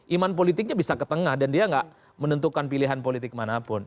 iman politiknya bisa ke tengah dan dia gak menentukan pilihan politik manapun